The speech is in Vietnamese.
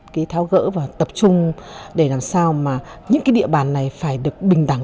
cái thao gỡ và tập trung để làm sao mà những cái địa bàn này phải được bình đẳng